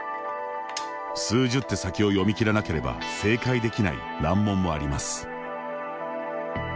数十手先を読み切らなければ正解できない難問もあります。